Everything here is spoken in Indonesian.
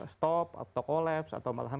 stop atau kolaps atau malahan